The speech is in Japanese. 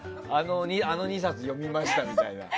あの２冊を読みましたみたいな。